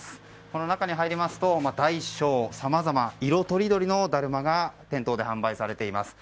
この中に入りますと大小さまざま色とりどりのだるまが店頭で販売されています。